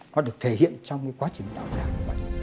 nó được thể hiện trong quá trình đảo đảng